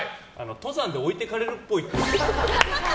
登山で置いてかれるっぽい。